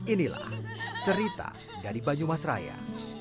inilah cerita dari banyumasraya